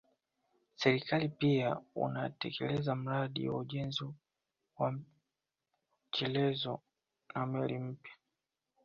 Serikali pia unatekeleza mradi wa ujenzi wa chelezo na meli mpya